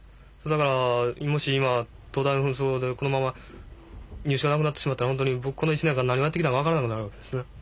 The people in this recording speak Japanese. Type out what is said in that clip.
だからもし今東大の紛争でこのまま入試がなくなってしまったらほんとに僕この１年間何をやってきたか分からなくなるわけですね。